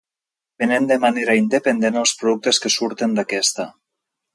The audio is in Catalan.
Venent de manera independent els productes que surten d'aquesta.